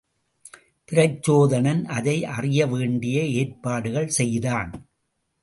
பிரச்சோதனன் அதை அறியவேண்டிய ஏற்பாடுகள் செய்தான்.